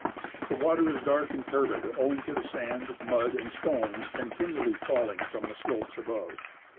The water is dark and turbid, owing to the sand, mud, and stones continually falling from the slopes above.